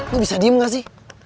gue bisa diem gak sih